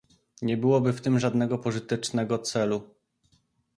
Nie byłoby w tym żadnego pożytecznego celu